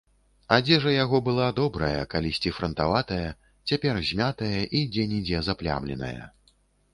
Адзежа яго была добрая, калісьці франтаватая, цяпер змятая і дзе-нідзе заплямленая.